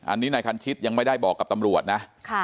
อันนี้นายคันชิตยังไม่ได้บอกกับตำรวจนะ